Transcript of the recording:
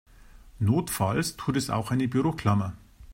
Notfalls tut es auch eine Büroklammer.